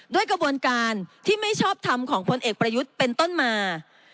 ด้วยกระบวนการที่ไม่ชอบทำของพลเอกประยุทธ์เป็นต้นมา